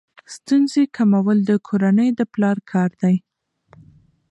ستونزې کمول د کورنۍ د پلار کار دی.